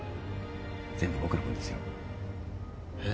全部僕の分ですよ。えっ？